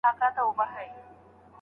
- رسول جرأت، ليکوال او څيړونکی.